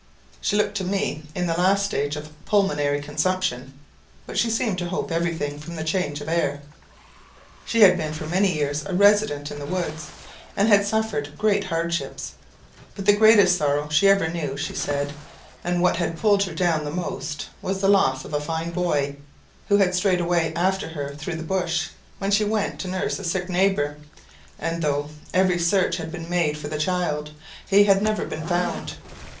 She looked to me in the last stage of pulmonary consumption; but she seemed to hope everything from the change of air. She had been for many years a resident in the woods, and had suffered great hardships; but the greatest sorrow she ever knew, she said, and what had pulled her down the most, was the loss of a fine boy, who had strayed away after her through the bush, when she went to nurse a sick neighbour; and though every search had been made for the child, he had never been found.